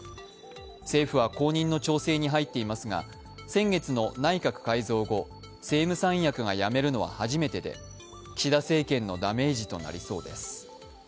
政府は後任の調整に入っていますが、先月の内閣改造後、政務三役が辞めるのは初めてで岸田政権のダメージとなりそうです。